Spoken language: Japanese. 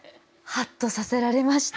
はっとさせられました。